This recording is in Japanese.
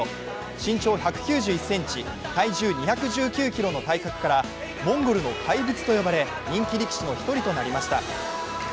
身長１９１ｃｍ体重２１９ｋｇの体格からモンゴルの怪物と呼ばれ、人気力士の１人となりました。